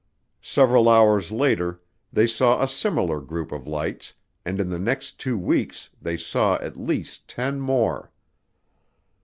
Several hours later they saw a similar group of lights and in the next two weeks they saw at least ten more.